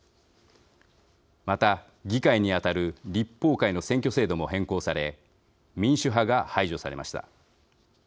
また、議会に当たる立法会の選挙制度も変更され民主派が排除されました。